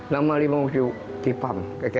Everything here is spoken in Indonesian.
nama lima musuh di pam kku